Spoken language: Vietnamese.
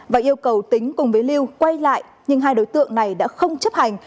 và yêu cầu tính cùng với lưu quay lại nhưng hai đối tượng này đã không chấp hành